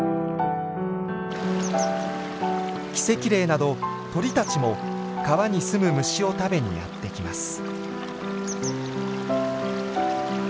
キセキレイなど鳥たちも川に住む虫を食べにやって来ます。